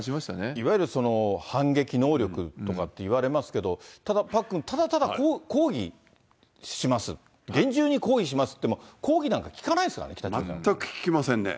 いわゆるその、反撃能力とかっていわれますけど、ただ、パックン、ただただ抗議します、厳重に抗議しますって言っても、抗議なんか聞かないですからね、全く聞きませんね。